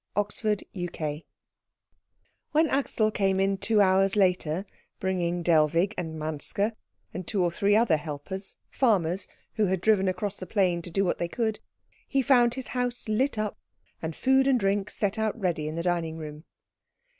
CHAPTER XXV When Axel came in two hours later, bringing Dellwig and Manske and two or three other helpers, farmers, who had driven across the plain to do what they could, he found his house lit up and food and drink set out ready in the dining room.